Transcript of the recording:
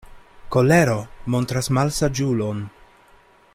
Kolero montras malsaĝulon.